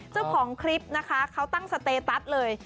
เจ้าของคลิปนะคะเขาตั้งสเตตัสเลย